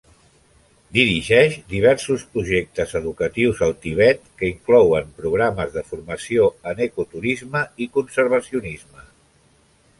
Dirigeix diversos projectes educatius al Tibet que inclouen programes de formació en ecoturisme i conservacionisme.